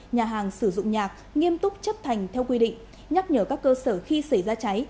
nhà hàng sử dụng nhạc nghiêm túc chấp hành theo quy định nhắc nhở các cơ sở khi xảy ra cháy